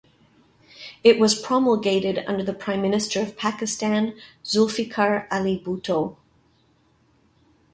It was promulgated under the Prime Minister of Pakistan Zulfiqar Ali Bhutto.